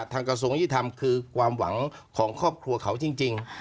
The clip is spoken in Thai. กระทรวงยุติธรรมคือความหวังของครอบครัวเขาจริง